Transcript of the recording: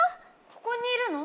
ここにいるの？